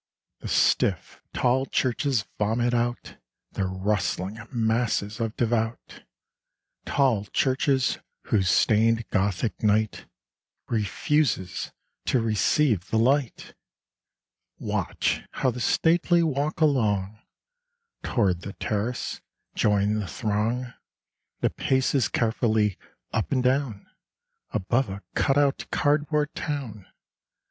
The stiff, tall churches vomit out Their rustling masses of devout, Tall churches whose stained Gothic night Refuses to receive the light ! Watch how the stately walk along Toward the terrace, join the throng, That paces carefully up and down Above a cut out cardboard town